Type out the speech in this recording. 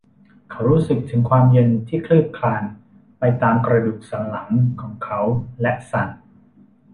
เขารู้สึกถึงความเย็นที่คืบคลานไปตามกระดูกสันหลังของเขาและสั่น